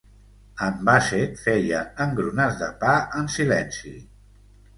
En Bassett feia engrunes de pa en silenci.